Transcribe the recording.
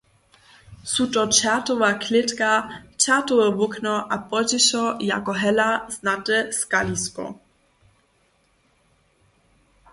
Su to čertowa klětka, čertowe wokno a pozdźišo jako hela znate skalisko.